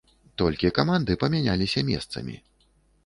Толькі каманды памяняліся месцамі.